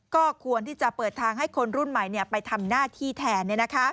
ก็ควรที่จะเปิดทางให้คนรุ่นใหม่ไปทำหน้าที่แทน